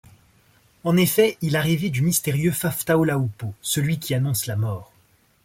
En effet, il a rêvé du mystérieux Faftao-Laoupo, celui qui annonce la mort.